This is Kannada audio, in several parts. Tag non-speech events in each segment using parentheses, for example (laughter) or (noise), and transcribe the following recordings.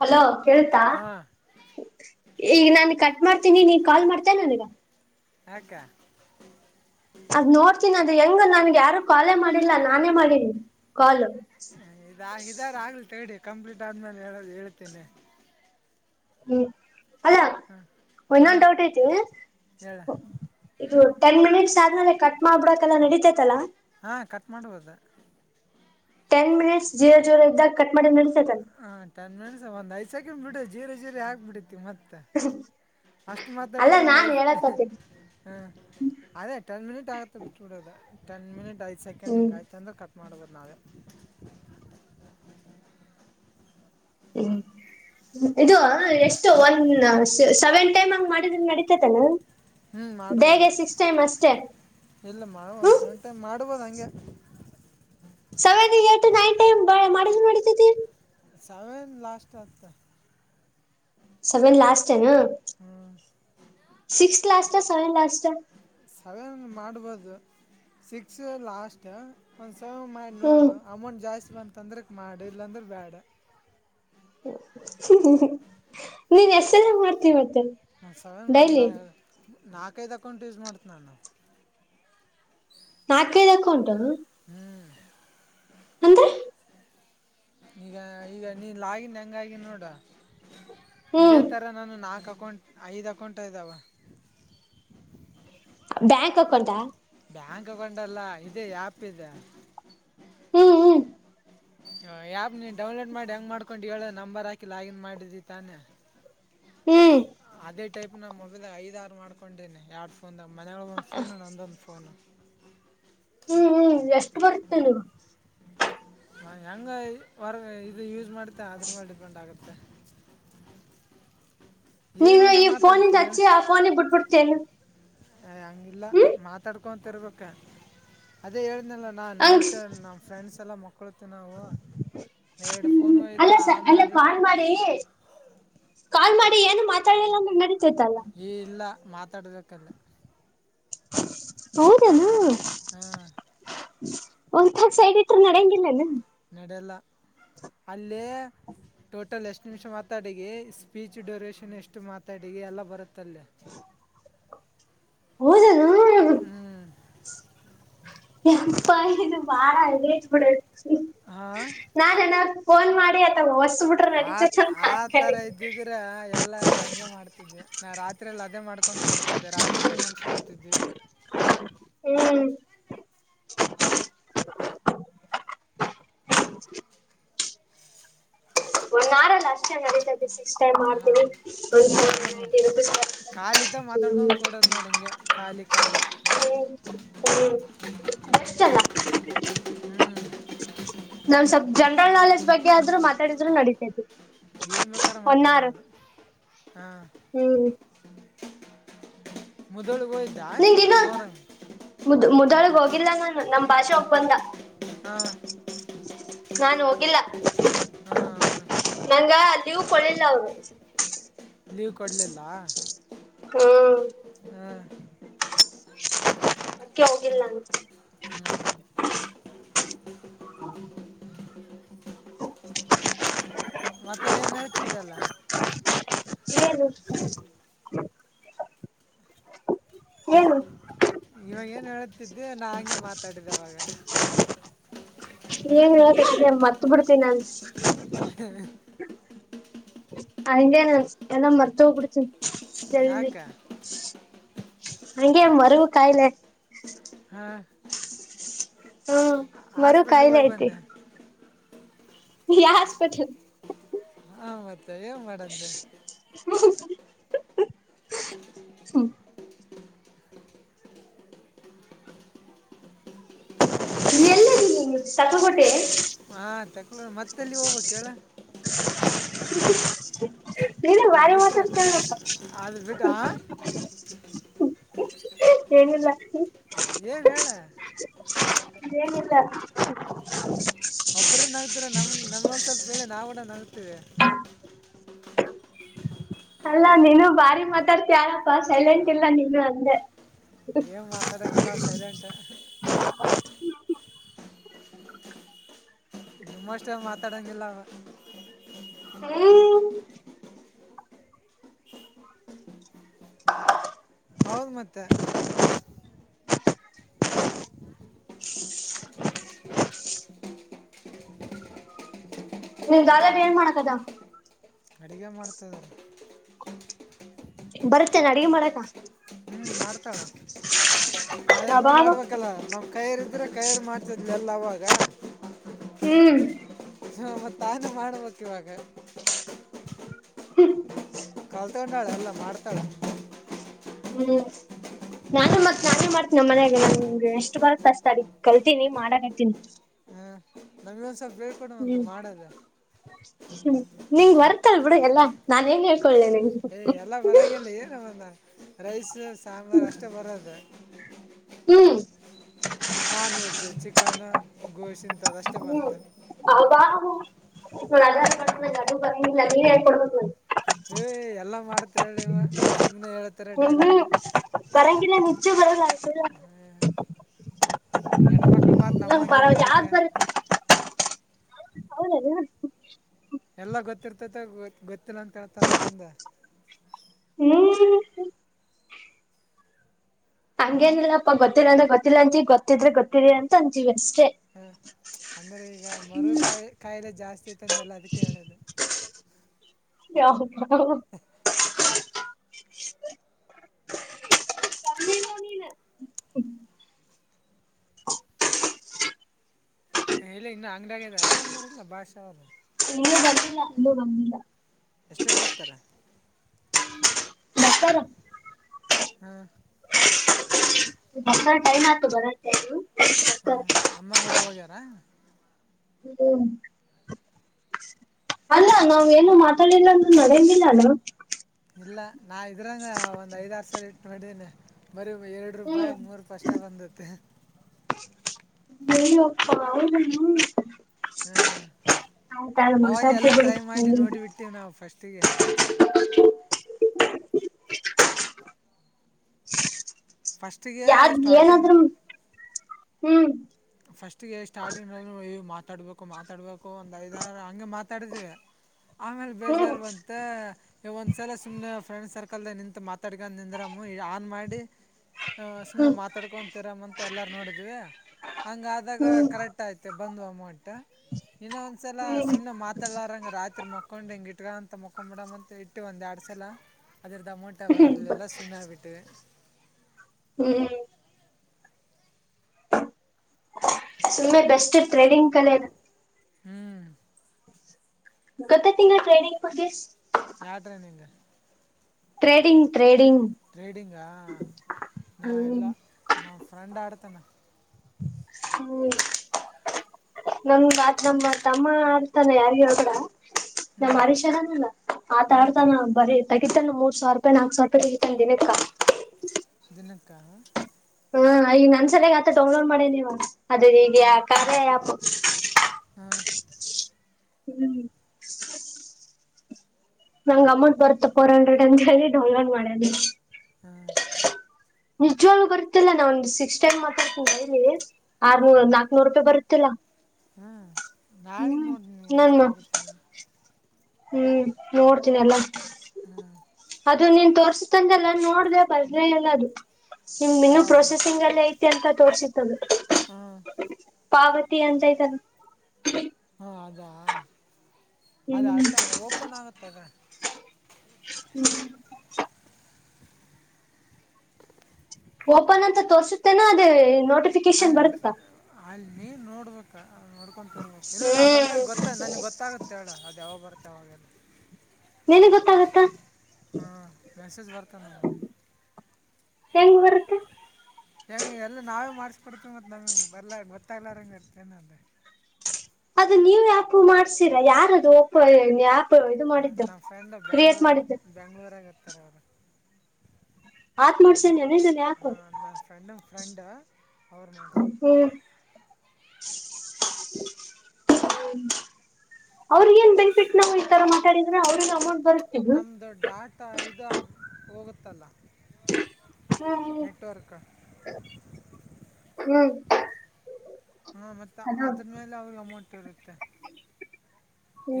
ಹಲೋ ಹೇಳ್ತಾ ಹಾ ಈಗ ನಾನು ಕಟ್ ಮಾಡ್ತೀನಿ ನೀ ಕಾಲ್ ಮಾಡ್ತಾ ನನಗ ಹಕ್ಕಾ ಅದ್ ನೋಡ್ತೀನಿ ಅದು ಹೆಂಗ ನನ್ಗೆ ಯಾರು ಕಾಲೆ ಮಾಡಿಲ್ಲ ನಾನೇ ಮಾಡೀಿನಿ ಕಾಲ್ ಇದಾ ಇದಾರಾಗಲಿ ತಗಡಿ ಕಂಪ್ಲೀಟ್ ಆದ್ಮೇಲೆ ಹೇಳದು ಹೇಳ್ತೇನೆ ಹ್ಮ್ ಹಾ ಒಂದೊಂದು ಡೌಟ್ ಐತಿವಿ ಇದು ಟೆನ್ ಮಿನಿಟ್ಸ್ ಆದ್ಮೇಲೆ ಕಟ್ ಮಾಡ್ಬಡಕಲ್ಲ ನಡಿತತೈತಲ್ಲಾ ಹಾ ಕಟ್ ಮಾಡುವದ ಟೆನ್ ಮಿನಿಟ್ಸ್ ಜೀರ ಜೋರ ಇದ್ದಾಗ ಕಟ್ ಮಾಡಿ ನಡಿತೈತಲ್ಲ ಹಾ ಟೆನ್ ಮಿಟ್ಸ್ ಒಂದ ಐದ ಸಕೆಂಡ್ ಬಿಡು ಜೀರ ಜೀರ ಆಗ್ಕ್ಬಿಡ್ತಿ ಮತ್ತತ್ ಹ ಅಷ್ಟು ಮಾತಾಡ್ತಿವಿ ಒಂದ್ ಐತ್ ಹ್ಮ ಅದೇ ಟೆನ್ ಮಿನಿಟ್ ಆಗತ್ತೆ ಬಿಟ್ ಬಿಡದ ಟೆನ್ ಮಿನಿಟ್ ಐದು ಸೆಕೆಂಡ್ ಹ್ಮ್ ಹಿಂಗೆಾಯ್ತು ಅಂದ್ರೆ ಕಟ್ ಮಾಡ್ಬೋದು ನಾವೇ ಹ್ಮ್ ಇದು ಎಷ್ಟು ಒನ್ ಸೆವೆನ್ ಟೈಮ್ ಹಂಗ್ ಮಾಡಿದ್ರ ನಡತತನ ಹ್ಞೂ ದೇಗೆ ಮಾಡ್ಬೋದು ಸಿಕ್ಸ್ ಟೈಮ್ ಅಷ್ಟೇ ಇಲ್ಲ ಹ್ಮ್ ಮಾಡಬೋಂದಸಂಟ ಮಾಡ್ಬೋದ ಹಂಗೆ ಸವೆನ್ ಏ ನೈನ್ ಟೈಮ್ ಮಾಡ್ ನಿತತಿ ಸಾವನ್ ಲಾಸ್ಟ್ ಆ ಸೆವೆನ್ ಲಾಸ್ಟ್ ಟಏನ್ ಹ್ಞೂ six last seventh last seven ಮಾಡ್ಬೋದು ಸಿಕ್ಸ್ ಲಾಸ್ಟ್ ಮಾಡಿ ಹ್ಮ್ ನೋಡು ಅಮೌಂಟ್ ಜಾಸ್ತಿ ಬಂತ ಅಂದ್ರಕ್ ಮಾಡಿ ಇಲ್ಲಾಂದ್ರ ಬ್ಯಾಡ ಹ್ಮ ನೀನ್ ಎಸ್ ಎಲ್ಲ ಮಾಡ್ತೀವ ನ ಸನ್ ಮಾಡನ ನಾಕೈದ್ ಅಕೌಂಟ್ ಯೂಸ್ ಮಾಡ್ತನ ನ ನ ನಾಕೈದಕ ಉಂಟು ಹ್ಮ್ ಅಂದ್ರೀ ಈಗ ಈಗ ನೀ ಲಾಗಿನ್ ಹೆಂಗ ಆಗನ್ ನೋಡ ಇದೇ ಹ್ಮ್ ತರ ನಾನು ನಾಕ ಅಕೌಂ ಐದ್ ಅಕೌಂಟ್ ಇದಾವ ಬ್ಯಾಂಕ್ ಅಕೌಂಟಾ ಬ್ಯಾಂಕ್ ತಗೊಂಡಲ್ಲ ಇದೆ ಆ್ಯಪ್ ಇದೆ ಹ್ಮ್ ಹ್ಮ್ ಹ ಆ್ಯಪ್ ನೀವು ಡೌನ್ಲೋಡ್ ಮಾಡಿ ಹೆಂಗ್ ಮಾಡ್ಕೊಂಡು ಹೇಳ ನಂಬರ್ ಹಾಕಿ ಲಾಗಿನ್ ಮಾಡಿದ್ದಿ ತಾನೆ ಹ್ಮ ಇದೇ ಟೈಪ್ ನು ಮೊಬೈಲ್ ಐದಾರು ಮಾಡ್ಕೊಂಡಿದ್ದೇನೆ ಎರಡು ಫೋನ್ ಮನೆೊ ಒಂದು ಫೋನ್ ನೊಂದು ಫೋನು ಹ್ಮ್ ಹ್ಮ್ ಎಷ್ಟು ಬರುತ್ತೆ ನೀವು ಹೆಂಗರ್ ಇದು ಯೂಸ್ ಮಾಡತ್ತೆ ಅದ್ರ ಮೇಲೆ ಡಿಪೆಂಡ್ ಆಗತ್ತೆ ನೀನು ಏನಂತ ಈ ಫೋನಿಂದ ಮಾತಾಡ್ತೀವಿ ಹೇಳಿ ಹಚ್ಚಿ ಆ ಫೋನಿಗೆ ಬಿಟ್ಬಿಡ್ತೇನೆ ಹಂಗಿಲ್ಲ ಮಾತಾಡ್ಕೊಂತರ್ಬೇಕ ಅದೇ ಹ ಇಲ್ಲ ನಾ ಹಂಗ್ ನೈಟ್ ನಮ್ಮ ಫ್ರೆಂಡ್ಸ್ ಎಲ್ಲ ಮ ಹಕಳ್ತೀವಿ ನಾವು ಎರಡು ಹ್ಮ್ ಅಲ್ಲ ಫೋನುಯದು ಸ ಆನ್ ಅಲ್ಲ ಮಾಡಿ ಕಾಲ್ ಮಾಡಿ ಕಾಲ್ ಮಾಡಿ ಏನು ಮಾತಾಡಲ್ಲ ಈ ಇಲ್ಲ ಮಾತಾಡ್ಬೇಕ್ರೆ ಹೌದಾನ ಹ್ಮ ಒಲ್ಗ ಸೈಡ್ ಇಟ್ರ ನಡಂಗಿಲ್ಲೇನು ನಡೆಲ್ಲ ಅಲ್ಲೇ ಟೋಟಲ್ ಎಷ್ಟು ನಿಮಿಷ ಮಾತಾಡಿಗೆ ಸ್ಪೀಚ್ ಡ್ಯೂರೇಷನ್ ಎಷ್ಟು ಮಾತಾಡಿಗೆ ಎಲ್ಲ ಬರುತ್ತ ತಲ್ಲ ಹದಾನ ಯಪ್ಪಾ ನಿಂದ್ ಬಾಳ ಅನೆಜ್ ಪಡೈತೆ ಹಾಂ ನಾನ್ ನ ಫೋನ್ ಮಾಡಿ ಅಥ ಹೊಸ್ಬಿಟ್ರೆ ನಡಚ ಆತ್ ಚಂದನ್ಕ ಈಗ ಮಾಡ್ತಿದ್ದೆ ನಾ ರಾತ್ರಿಯಲ್ಲಿ ಅದೇ ಮಾಡ್ಕೊಂಡ್ ಕೊಡ್ತಿದ್ದೆ ರಾತ್ರಿಯ ಮುಗಿಸಬಿಡ್ತಿದ್ವಿ ಹ್ಮ್ ಒಂದ ಆರ ಅಲ್ಲ ಅಷ್ಟು ನಡತದೆ ಸಿಕ್ಸ್ ಟೈಮ್ ಮಾಡ್ತೀ ಹಾಂ ಒ ಹಂಗೆ ಮಾಡೋದು ನೈಂಟಿ ಮತ್ತೆ ರುಪೀಸ್ ಕಾಾಲಿ ಕಖಾಾಲಿ ಹ್ಮ್ ಹ್ಮ್ ಬೆಷ್ಟಲ್ಲ (inaudible) ನಾವ್ ಸ್ವಲ್ ಜನರಲ್ ನಾಲೆಡ್ಜ್ ಬಗ್ಗೆ ಆದ್ರೂ ಮಾತಾಡಿದ್ರು ನಡತೇತಿ ಏನ್ ಬೇಕಾರ ಮಾತಾಡ್ಬೋದು ಹಾ ಹ್ಮ್ ಇನ್ನ ನಿಂಗು ಇನ್ನು ಮೋರಂಗ್ ಮುದ್ ಮುದೊಳಿಗೆ ಹೋಗಿಲ್ಲಂಗರೆ ನಮ್ ಭಾಷೆ ಒಪಂದ ಹಾ (inaudible) ನಾನು ಹೋಗಿಲ್ಲ ಹಾಂ ನಂಗಾ ಲೀವ್ ಕೊಡ್ಲಿಲ್ಲ ಅವರು ಲೀವ್ ಕೊಡ್ಲಿಲ್ಲ ಹ್ಮುಮ್ ಹ್ಮಾ ಅದ್ಕೆ ಹೋಗಿಲ್ಲ್ ನಾನು ಹ್ಞೂ (unintelligible) ಮತ್ತೆ ಏನ್ ಹೇಳ್ತಿದ್ದಲ್ಲ ಯವಗ್ ಎನು ಇವಾಗ ಹೇಳ್ತಿದ್ದೆ ನ ಹಂಗೆ ಮಾತಾಡಿದವಾಗ ಏನ್ ಹೇಳು ನಾನ್ ಮರ್ತ್ ಬಿಡ್ತಿನಿ ನಾನ್ (inaudible) ಹಲ್ಬ್ಯನೆ ಎಲ್ಲಾ ಮರ್ತ್ ಹೋಗ್ಬಿಡ್ತೀನಿ ಜಲ್ದಿ ಯಾಕೆ ನಂಗೆ ಮರುವು ಕಾಯಿಲೆ ಹಾ ಹ್ಮು್ ಮರುವು ಕಾಯಿಲೆ ಹೋಗಿ ಐತಿ ಬಂದೆ ಯ ಹಾಸ್ಪಿಟಲ್ ಹಾ ಮತ್ತೆ ಏನ್ ಮಾಡಂದೆ (inaudible) ಎಲ್ಲೊಗಿದಿಯ ತಕ್ಲುಗೊಟ್ಟೇದಿ ಹಾ ತಕ್ಲು ಮತ್ತೆಲ್ಲಿ ಹೋಗ್ಬೇಕೇಳು (unintelligible) ಅದ್ ಬಾರಿ ಬಿಟ್ರ್ ಮಾತಾಡ್ತಿಯಲ್ಲಪ್ಪ ಅದು ಬಿಟ್ಟ್ ಹಾ ಏನಿಲ್ಲ ಏನ್ ಹೇಳ ಏನಿಲ್ಲ ಒಬ್ರೆ ನಗ್ತಿರ ನಮ್ ನಮಗೊಂದ್ ಸ್ವಲ್ಪ ಹೇಳಿ ನಾವನ ನಗ್ತಿವಿ ಅಲ್ಲಾ ನೀನು ಬಾರಿ ಮಾತಾಡ್ತ ಯಾರ (inaudible) ಸೈಲೆಂಟ್ ಇಲ್ಲ ನೀನು ಅಂದೆ ಏನ್ ಮಾತಾಡಂಗಿಲ್ಲ ಸೈಲೆಂಟು ನಿಮ್ಮಷ್ಟೇನ್ ಮಾತಾಡಂಗಿಲ್ಲವ ಹ್ಮ್ (inaudible) ಹೌದ್ ಮತ್ತೆ ನಿ ಗಾಯಯಯಯಯ ಏನ್ ಮಾಡಕದ ಅಡುಗೆ ಮಾಡ್ತದೆ ಬರುತ್ತೇನೆ ಅಡ್ಗೆ ಮಾಡಕ ಹ್ಞೂ ಮಾಡ್ತಾಳ ಅಮ್ಮೆ ಅಬಾಬ ಮಾಡ್ಬೇಕಲ್ಲ ನಾವ್ ಕೈಯರು ಇದ್ರೆ ಕೈರು ಮಾಡ್ತಿದ್ವಿ ಎಲ್ಲಾಗ ಹ್ಮ್ ಹು ಮತ್ ನಾನು ಮಾಡ್ಬೇಕ್ ಇವಾಗ ಕಲ್ತ್ಕೊಂಡಳ ಎಲ್ಲಾ ಮಾಡ್ತಳ ಹ್ಮ್ ನಾನು ಮತ್ ನಾನು ಮಾಡ್ತೀನ್ ನಮ್ಮ ಮನೆಯಾಗ ನಂಗೆ ಎಷ್ಟು ಬೇಕ್ ಕಲ್ತಿನಿ ಮಾಡಕತ್ತಿನಿ ನಮ್ಗ ಒಂದ್ ಸ್ವಲ್ಪ ಹೇಳ್ ಕೊಡು ಮತ್ ಮಾಡದ ಹ್ಮು ನಿಂಗ್ ಬರ್ತಲ್ ಬಿಡು ಎಲ್ಲಾ ನಾನೇನ್ ಹೇಳ್ ಏ್ ಎಲ್ಲ ಬರಂಗಿಲ್ಲ ಏನು ಒಂದ ರೈಸ್ ಸಾಂಬಾರ್ ಅಷ್ಟೇ ಬರದು ಹ್ಮ ನಾನ್ ವೆಜ್ಜ್ ಚಿಕನ್ ಗೋಶಿನ (unintelligible) ಆಧಾರ್ ಮಾಡ ಅಡು ಬ ಹೇಳ್ಕ ಕೊಡ್ಬೇಕು ಏ ಎಲ್ಲಾ ಮಾಡ್ತಿರ ಹೇಳಿ ಸುಮ್ನೆ ಹೇಳ್ತಾರ ಡೈಲಾಗ್ ಇ ನಿಚೆ ಬಳ ಆಸ ಹೆಣ್ಮಕ್ಳು ಮಾತ್ ನಮ ನಂಬಂಗಿಲ್ಲ ಪರವಾಗಿ ಅದಕ್ಕೆ ಆಗ್ ಬರ ಹೌದಲ್ಲ ಎಲ್ಲಾ ಗೊತ್ತಿರ್ತತೆ ಗೊ ಗೊತ್ತಿಲ್ಲ ಅಂತ ಹೇಳ್ತಾರಮ ಮುಂದೆ ಹ್ಮ್ ಹಾ ಹಂಗೇನಿಲ್ಲಪ್ಪ ಗೊತ್ತಿಲ್ಲ ಅಂದ್ರೆ ಗೊತ್ತಿಲ್ಲ ಅಂತೀ ಗೊತ್ತಿದ್ರೆ ಗೊತ್ತಿರಿ ಅಂತ ಅಂತೀವಿ ಅಷ್ಟೇ ಹ ಅಂದ್ರೆ ಈಗ ಮರು ಕಾಯಿ ಕಾಯಿಲೆ ಜಾಸ್ತಿ ಐತಂದಲ್ಲ ಅದಕ್ಕೆ ಹೇಳೋದು (inaudible) (inaudible) ಕಿಲ್ಲ ಇಲ್ಲ ಇನ್ನು ಅಂಗ್ಡಾಗದ ಬಂದಾರಲ್ಲ ಬಾಷಾ ಅವ್ರರು ನೀನನು ಬಂದಿಲ್ಲ ಇನ್ನೂ ಬಂದಿಲ್ಲ ಎಷ್ಟಕ್ಕೆ ಬರ್ತಾರ ಹಾ ಬ ಟೈಮ್ ಆತು ಬರತ್ತೆ ಇದು ಹ್ಮ್ ಅಮ್ಮ ಕೂಡ ಹೋಗ್ಯಾರ ಹ್ಮ್ ಅಲ್ಲ ನಾವ್ ಏನು ಮಾತಾಡಿಲ್ಲ ಅಂದ ನಡೆಯಂಗಿಲ್ಲ ಅಲ್ಲ ಇಲ್ಲ ನಾ ಇದ್ರಂಗ ಒಂದ್ ಐದ ಆರ ಸರ ಇಟ್ಟು ಮಾಡಡಿದ್ದೇನೆ ಬರೀ ಎರಡು ರೂಪಾಯಿ ಹ್ಮ್ ಮೂರು ರೂಪಾಯಿ ಅಷ್ಟೇ ಬಂದತ್ತೆ ನೀ ಒ ಪಲುನು ಹ್ಮ ಅವಲ್ಲಿ ಮಾತಾಡ್ತಿ ಎಲ್ಲ ಬಿಡು ಟ್ರೈ ಮಾಡಿ ಹಂಗೇನ್ ನೋಡಿಬಟ್ಟೇವ್ ನಾವವು ಫಸ್ಟ್ಗೆ ಫಸ್ಟ್ಗೆ ಯಾವ್ದ್ ಸ್ಟಾರ್ಟಿಂಗ್ ಏನಾದ್ರೂ ಹ್ಮ್ ಫಸ್ಟ್ ಸ್ಟಾರ್ಟಿಂಗ್ ಅ ನೀವು ಮಾತಾಡ್ಬೇಕು ಮಾತಾಡ್ಬೇಕು ಅಕ್ಕೋ ಒಂದ್ ಐದಾರು ಹಂಗೆ ಮಾತಾಡಿದೀವಿ ಆಮೇಲೆ ಹ್ಮ್ ಬೇಜಾರು ಅಂತೆ ಒಂದ್ಸಲ ಸುಮ್ನೆ ಫ್ರೆಂಡ್ ಸರ್ಕಲ್ ದ ನಿಂತತ್ ಮ ತರ್ಕೊಂಡ ನಿ್ರಮ್ಮ ಆನ್ ಮಾಡಿ ಹ ಸುಮ್ನೆ ಹ್ಮ್ ಮಾತಾಡ್ಕೊಂತೀರಾಮ ಅಂತ ಎಲ್ಲಾರ ನೋಡಿದ್ವಿ ಹಂಗ ಆದಾಗ ಹ್ಮ್ ಕರೆಕ್ಟ್ ಆಯತೆ ಬಂದ್ ಅಮೌಂಟ್ ಇನ್ನ ಒಂದ್ಸಲ ಹ್ಮ್ ಸುಮ್ಮ್ನೆ ಮಾತಾಡಾರಂಗ ರಾತ್ರಿ ಮಕ್ಕೊಂಡ್ ಹೆಂಗಿಟ್ರ ಅಂತ ಮ ಮುಕೊ ಬಿಡಂತ ಇಟ್ಟು ಒಂದ್ ಎರಡ್ ಸಲ ಅದರದ್ದ ಅಮೌಂಟ್ ಅವ ಹ್ಮ್ ಅರ್ಲೆಲ್ಲ ಸುಮ್ಮನೆಬಿಟ್ಟವಿ ಹ್ಮ್ ಹ್ಮ್ ಸುಮ್ಮನೆ ಬೆಸ್ಟ್ ಟ್ರೇಡಿಂಗ್ ಕಲೆ ಹ್ಮ್ ಗತ್ತ ತಿಂಗಳು ಟ್ರೈನಿಂಗ್ ಪತೀಸ್ ಯಾ ಟ್ರ ನಿಂಗ ್ರೇಡಿಂಗ್ ್ರೇಡ್ ಟ್ರೇಡಿಂಗಾ ನ ಎಲ್ಲ ಹ್ಮ್ ನ ಫ್ರೆಂಡ್ ಆಡ್ತಾನ ಹ್ಮ್ ನಮತ್ ನಮ್ಮ ತಮ್ಮ ಆಡ್ತಾನ ಯಾರಿಗಗಡ ನ ಹ್ಞೂ ಅರಶರನಲ್ಲ ಮಾತಾ ಹಾಂ ಆಡ್ತಾನ ಬರೀ ತಗಿತಾನ ಮೂರ್ ಸಾವಿರ ರೂಪಾಯಿ ನಾಕಕ್ ಸಾವಿ ರೂಪಾಯಿ ತಗಿತಾನ ದಿನಕ್ಕ ಜಿನಕ ಹಾ ಈಗ ನನ್ಸಲಯಾಗ ಆತ ಡೌನ್ಲೋಡ್ ಮಾಡಿ ನೀವು ಅದೇ ಈಗ ಕಾದ ಆ್ಯಪ್ ಹಾ ಹೂ ನಂ್ ಅಮೌಂಟ್ ಬರುತ್ತೆ ಫೋರ್ ಹಂಡ್ರೆಡ್ ಅಂತ ಹೇಳಿ ಡೌಲಂಡ್ ಮಾಡ್ಯನ ಹ ನಿಜವಳಗು ಬರುತ್ತಿಲ್ಲ ನಾ ಒಂದು ಸಿಕ್ಸ್ ಟೈಮ್ ಮಾತಾಡ್ತಿ ಡೈಲಿ ಆರ್ನೂರು ನಾಕ್ನೂರು ರೂಪಾಯಿ ಬರುತ್ತಿಲ್ಲಾ ಹಾ ನಾಳಗ್ ನೋಡಿ ಎಷ್ಟು ಬರಕ್ ನು ಹೂ ನೋಡ್ತೀನಿ ಎಲ್ಲ ಹ ಅದು ನೀನ್ ತೋರ್ಸತಂದಲ್ಲ ನೋಡ್ದ ಅದು ಬರ್ಲೆ ಇಲ್ಲ ನಿಮ್ ಇನ್ನುೂ ಯಾವುದು ಪ್ರೊಸೆಸಿಂಗ್ ಅಲ್ಲೇ ಐತಿ ಅಂತ ತೋರ್ಸಿತ್ತದು ಹಾಂ ಪಾವತಿ ಅಂತಐ್ತಲ್ಲ ಹಾಂ ಅದಾ ಅದ ಹ್ಮ್ ಆಟೋ ಓಪನ್ ಆಗತ್ತದ ಹೂ ಓಪನ್ ಅಂತ ತೋರ್ಸುತ್ತೇನ ಅದೇ ನೋ ಅಲ್ಲಿ ಅಲ್ಲಿ ನೀನ್ ನೋಡ್ಬೇಕ ನೋಡ್ಕೊಂತತಿರ್ ಇಲ್ಲ ನಾ ಹ್ಮ್ ಬಂದಾಗ ಗೊತ್ತ ನನ್ಗ್ ಗೊತ್ತಾಗುತ್ತೆ ಹೇಳ ಅದು ಯಾವಾಗ ಬರುತ್ತೆ ಯಾವಾಗೆಲ್ಲ ನಿನ್ಗ್ ಗೊತ್ತಾಗತ್ತಾ ಹಾಂ ಮೆಸೇಜ್ ಬರ್ತದೆ ನನಗೆ ಹೆಂಗ್ ಬರುತ್ತೆ ಹೆಂಗ ಎಲ್ಲ ನಾವೇ ಮಾಡ್ಿಸಬಿಡ್ತೀವಿ ಮ ನಮಗೆ ಬರ್ಲ್ಲ ಗೊತ್ತಾಗ್ಲಾರಂಗಗೆ ಏನ ಅಂದ ಅದು ನೀವು ಯಾಪು ಮಾಡ್ಸೀರಾ ಯಾರದು ಪಯ ನಮ್ಮ ಫ್ರೆಂಡ್ ಬೆಂಗ್ಳೂರು ಬೆಂಗ್ಳೂರಾಗ ಇರ್ತಾರೆ ಅವರು ಆತ್ ಮಾಡ್ಸೇನೆನ್ದನೆ ಹಾಕು ನನ್ನ ಫ್ರೆಂಡ ಫ್ರೆಂಡ ಅವ್ರು ಮಾಡ್ಸರು (unintelligible) ಅವ್ರ ಏನ್ ಬೆನಿಫಿಟ್ ನಾವು ಈ ತರ ಮಾತಾಡಿದ್ರೆ ಅವ್ರ ಅಮೌಂಟ್ ಬರುತ್ತಿದ್ದು ನಮ್ದು ಡಾಟಾ ಇದ ಹೋಗುತ್ತಲ್ಲ ಹ್ಮ್ ನೆಟ್ವಾರ್ಕ ಹ್ಮ್ ಹ್ಮ್ ಹಾ ಮತ್ತೆ ಅದ ಅದ್ರ ಮೇಲೆ ಅವ್ರ ಅಮೌಂಟ್ ಇರುತ್ತೆ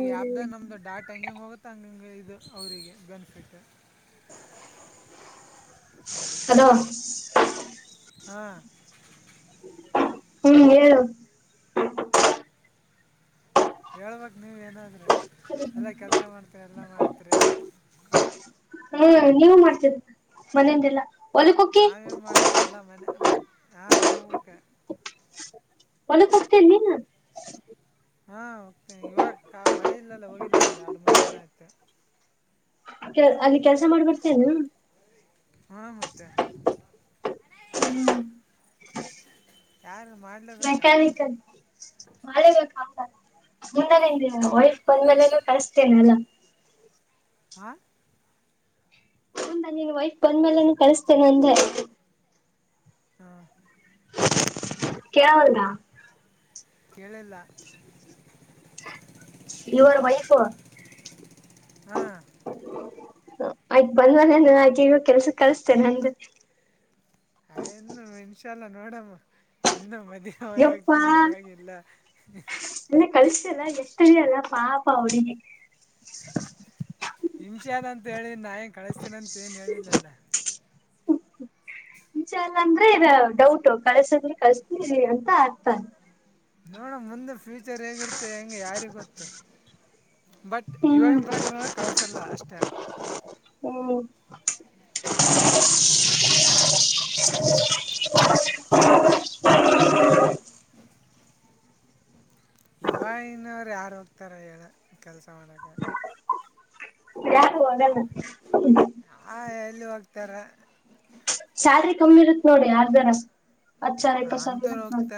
ಈ ಆಪ್ ದ ನಮ್ದು ಡಾಟ್ ಹೆಂಗ ಹೆಂಗ ಹೋಗುತ್ತ ಹಂಗಂಗ ಇದು ಅವ್ರಿಗೆ ಬೆನಿಫಿಟ್ ಹಲೋ ಹಾಂ ಹೂ ಹೇಳು ಹೇಳ್ಬೇಕು ನೀವೇ ಏನಾದ್ರೆ ಎಲ್ಲ ಕೆಲಸ ಮಾಡ್ತರಿ ಎಲ್ಲ ಮಾಡ್ತರಿ ಹೂ ನೀವು ಮಾಡ್ತೀರಿ ಮನೆಯಿಂದೆಲ್ಲ ಹೊಲಕ್ ಹೋಕ್ಕಿ ನಾವೇನ್ ಮಾಡತ್ತೆ ಎಲ್ಲ ಮನೆ ಹಾಂ ಹೋಗ್ಬೇಕು ಮನೆ ಕೊತನ ನ ಹಾಂ ಹೋಗ್ತೀನಿ ಇವಾಗ ಕಾ ಮಳೆ ಇಲ್ಲಲ್ಲ ಹೋಗಿಲ್ಲ ಒಂದು ಎರಡು ಮೂರು ದಿನ ಆಯಿತು ಕೆ ಅಲ್ಲಿ ಕೆಲ್ಸ ಮಾಡ್ಬರ್ತೇನು ಹಾ ಮತ್ತೆ ಹೂ ಯಾರು ಮಾಡಲೇಬೇಕಾ ಮೆಕ್ಯಾನಿಕಲ್ ಮಾೆ ಕಾಮ ಮುಂದಾನಿಂದ ವೈಫ್ ಬಂದ್ಮೇಲೊ ಕಳಸ್ತೇನೆ ಅಲ್ಲ ಹಾ ಮುಂದ ನೀನ್ ವೈಸ್ ಬಂದ್ಮೇಲೆ ಆನ್ ಕಳಸ್ತೇನೆ ಇಲ್ ಹಾ ಕೇಳಾವಲ್ದ ಕೇಳಿಲ್ಲ ಯು ಆರ್ ವೈಫ್ ಹಾಂ ಆಯ್ತು ಬಂದ್ ಮನ ಆಯ್ತು ಇವಾಗ ಕೆಲ್ಸ ಕಲ್ಸ್ತೇನೆಂದು ಹ್ ಇನ್ನು ಇನ್ಶಾ ಅಲ್ಲ ನೋಡಮ್ಮ ಇನ್ನು ಮ ಾವಾಗ ಯಪ್ಪಾ ಆಗ್ತೀನಿ ಯಾಗಲ್ಲ ಕಳಸಲ್ಲ ಗೆತ್ತದ ಅಲ್ಲ ಪಾಪ ಆ ಹುಡುಗಿ ಇಂಚ ಅನ್ಂತ ಹೇಳಿ ನಾ ಎನ್ ಕಳಸ್ತೀನಂತ ಏನ್ ಹೇಳಿಲ್ಲಲ್ಲ ಇಂಚನ್ ಎಲ್ಲ ಅಂದ್ರೆ ಡೌಟ್ ಕಳ್ಸಿದ್ರಿ ಕಳ್ಸ್ತಿ ಅಂತ ಅರ್ಥ ನೋಡ ಮುಂದೆ ಫ್ಯೂಚರ್ ಹೇಗಿರ್ತ್ತ ಹೆಂಗೆ ಯಾರಿಗ ಗೊತ್ತ ಬಟ್ ಹ್ಮ್ ಇವಾಗಿನ ಪ್ರಕಾರ ನೋಡ ಕಳಸಲ್ಲ ಅಷ್ಟೇ ಹ್ಮ್ ಇವಗಿನ್ನವರು ಯಾರು ಹೋಗ್ತಾರ ಹೇಳ ಕೆಲ್ಸ ಮಾಡಕ (unintelligible) ಆ ಎಲ್ಲಿ ಹೋಗ್ತಾರ. ಸ್ಯಾಲ್ರಿ ಕಮ್ಮಿ ಇರುತ್ ನೋಡಿ ಆರ್ ಜರ ಹತ್ ಸಾವಿರ ಇಪ್ಪತ್ತು ಸಾವಿರ ಇರತ್ ನೋಡಿ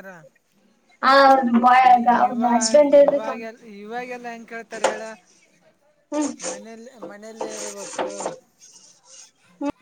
ಆ ಅವ್ರ ಬಾಯ್ ಅವ್ರ ಇವಾಗ ಹಸ್ಬೆಂಡ್ ಇರ್ಬೇಕ ಇವಾಗೆಲ್ಲ ಇವಾಗೆಲ್ಲ ಹೆಂಗ ಕೇಳ್ತಾರೆ ಹೇಳ ಹ್ಮ್. ಮನೇಲಿ ಮನೇಲಿ ಇರ್ಬೇಕು